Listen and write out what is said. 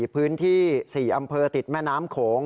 พื้นที่๔อำเภอติดแม่น้ำโขง